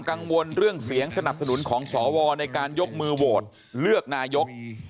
กังวลเรื่องเสียงสนับสนุนของสวในการยกมือโหวตเลือกนายก